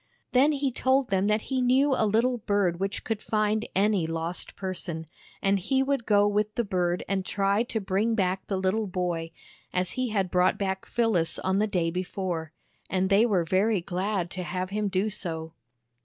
Then he told them that he knew a little bird which could find any lost person, and he would go with the bird and try to bring back the little boy, as he had brought back Phyllis on the day before. And they were very glad to have him do so.